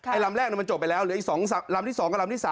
ไอ้ลำแรกมันจบไปแล้วลำที่๒กับลำที่๓